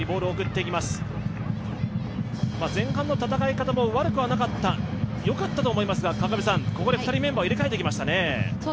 前半の戦い方も悪くはなかった、よかったと思いますがここで２人、メンバーを入れ替えてきましたね。